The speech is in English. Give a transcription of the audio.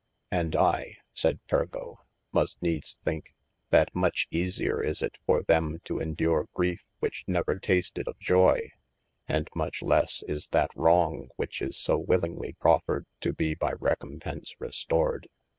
And I (sayd Pergo) must needes think, that much easier is it for them to endure grief which never tasted of joye, and much lesse is that wrong which is so willingly proffered to be by recompence restored.